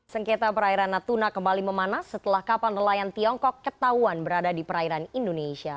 sengketa perairan natuna kembali memanas setelah kapal nelayan tiongkok ketahuan berada di perairan indonesia